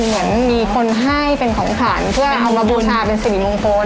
เหมือนมีคนให้เป็นของขวัญเพื่อเอามาบูชาเป็นสิริมงคล